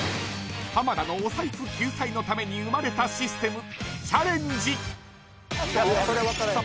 ［浜田のお財布救済のために生まれたシステム］